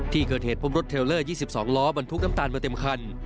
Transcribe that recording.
ที่เกิดเหตุพบรถเทลเลอร์๒๒ล้อบรรทุกน้ำตาลมาเต็มคัน